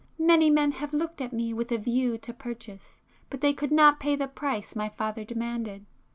Many men have looked at me with a view to purchase, but they could not pay the price my father demanded.